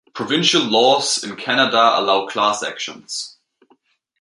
Provincial laws in Canada allow class actions.